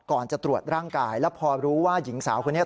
ก่อนจะตรวจร่างกายแล้วพอรู้ว่าหญิงสาวคนนี้